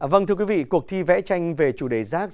vâng thưa quý vị cuộc thi vẽ tranh về chủ đề rác